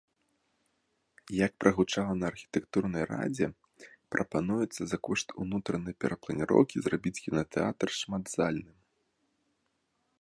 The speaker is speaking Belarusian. Як прагучала на архітэктурнай радзе, прапануецца за кошт унутранай перапланіроўкі зрабіць кінатэатр шматзальным.